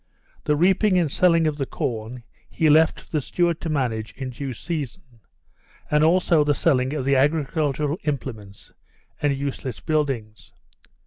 The reaping and selling of the corn he left for the steward to manage in due season, and also the selling of the agricultural implements and useless buildings.